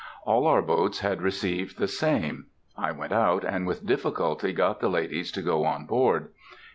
All our boats had received the same. I went out, and with difficulty got the ladies to go on board.